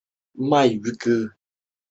等政策由这一支柱负责。